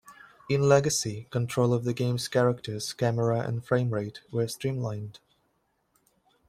In "Legacy" control of the game's characters, camera, and frame-rate were streamlined.